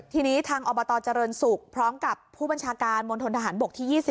ทีนี้ทางอบตเจริญศุกร์พร้อมกับผู้บัญชาการมณฑนทหารบกที่๒๐